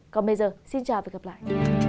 còn bây giờ xin chào và gặp lại